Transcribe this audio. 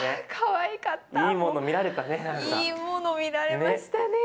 いいもの見られましたね。